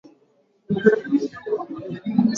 jana alimchakaza david fera kwa seti mbili kwa nunge